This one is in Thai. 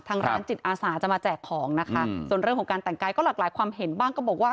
ทางร้านจิตอาสาจะมาแจกของนะคะส่วนเรื่องของการแต่งกายก็หลากหลายความเห็นบ้างก็บอกว่า